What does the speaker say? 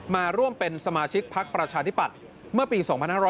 มาร่วมเป็นสมาชิกพักประชาธิปัตย์เมื่อปี๒๕๖๐